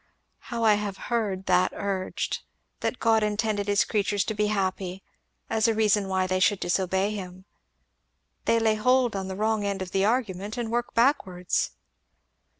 How I have heard that urged that God intended his creatures to be happy as a reason why they should disobey him. They lay hold on the wrong end of the argument and work backwards."